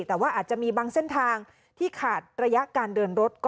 แต่ว่าอาจจะมีบางเส้นทางที่ขาดระยะการเดินรถ